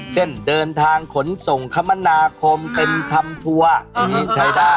เช่นเดินทางขนส่งคมนาคมเป็นทำทัวร์อย่างนี้ใช้ได้